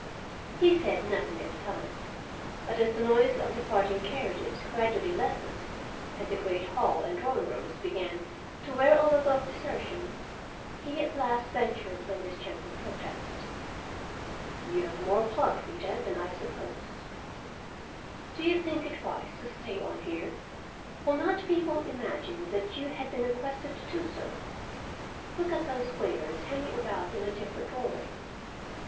He said nothing at the time, but as the noise of departing carriages gradually lessened and the great hall and drawing rooms began to wear a look of desertion he at last ventured on this gentle protest: "You have more pluck, Rita, than I supposed. Do you think it wise to stay on here? Will not people imagine that you have been requested to do so? Look at those waiters hanging about in the different doorways.